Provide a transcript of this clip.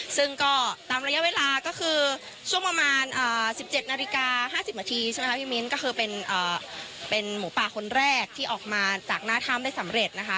ซึ่งก็ตามระยะเวลาก็คือช่วงประมาณ๑๗นาฬิกา๕๐นาทีใช่ไหมคะพี่มิ้นก็คือเป็นหมูป่าคนแรกที่ออกมาจากหน้าถ้ำได้สำเร็จนะคะ